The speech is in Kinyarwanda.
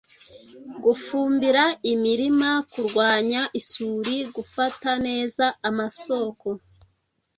Gufumbira imirima, kurwanya isuri, gufata neza amasoko